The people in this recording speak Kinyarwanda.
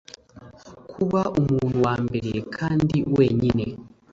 kuba umuntu wambere kandi wenyine